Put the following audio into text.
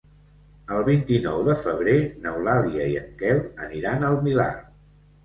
El vint-i-nou de febrer n'Eulàlia i en Quel aniran al Milà.